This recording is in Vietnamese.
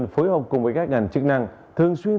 phối hợp cùng với các ngành chức năng thường xuyên